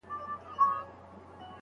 دا خو گرانې! ستا د حُسن اور دی لمبې کوي